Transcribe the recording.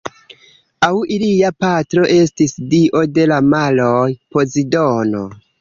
Aŭ ilia patro estis dio de la maroj Pozidono.